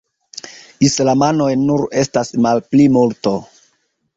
Islamanoj nur estas malplimulto.